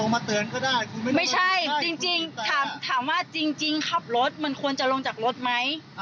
มาเตือนก็ได้คุณไม่ใช่จริงจริงถามถามว่าจริงจริงขับรถมันควรจะลงจากรถไหม